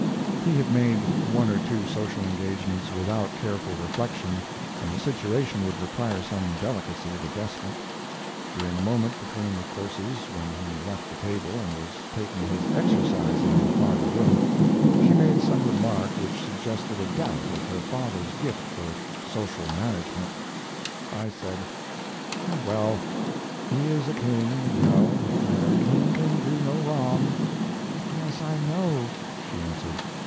He had made one or two social engagements without careful reflection, and the situation would require some delicacy of adjustment. During a moment between the courses, when he left the table and was taking his exercise in the farther room, she made some remark which suggested a doubt of her father's gift for social management. I said: "Oh, well, he is a king, you know, and a king can do no wrong." "Yes, I know," she answered.